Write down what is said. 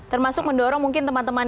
termasuk mendorong mungkin teman teman